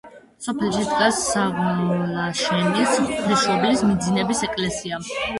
სოფელში დგას საღოლაშენის ღვთისმშობლის მიძინების ეკლესია.